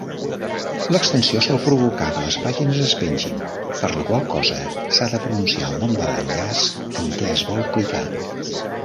L'extensió sol provocar que les pàgines es pengin, per la qual cosa s'ha de pronunciar el nom de l'enllaç en què es vol clicar.